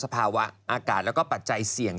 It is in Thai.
ภาวะอากาศแล้วก็ปัจจัยเสี่ยง